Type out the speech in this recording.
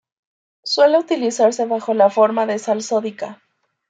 Suele utilizarse bajo la forma de sal sódica.